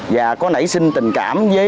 và có nảy sinh tình cảm với